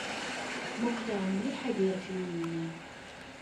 Muqleɣ mliḥ agerfiw-nni.